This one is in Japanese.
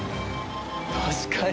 確かに。